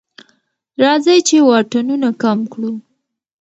راځئ چې واټنونه کم کړو.